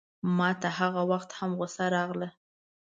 ماته هغه وخت هم غوسه راغله.